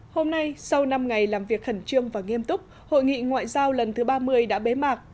hôm nay sau năm ngày làm việc khẩn trương và nghiêm túc hội nghị ngoại giao lần thứ ba mươi đã bế mạc